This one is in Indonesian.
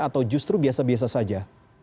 atau justru biasa biasa saja